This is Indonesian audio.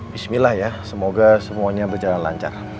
bismillah ya semoga semuanya berjalan lancar